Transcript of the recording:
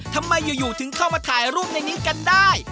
ทำไมอยู่ถึงเข้ามาถ่ายรูปในนี้กันได้